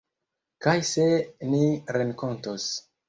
Kaj se ni renkontos.